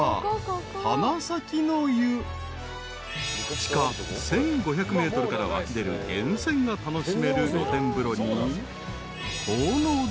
［地下１，５００ｍから湧き出る源泉が楽しめる露天風呂に］